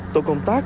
tổ công tác